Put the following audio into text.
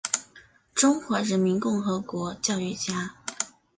中华人民共和国教育家。